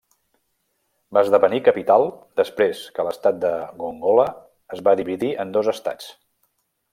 Va esdevenir capital després que l'estat de Gongola es va dividir en dos estats.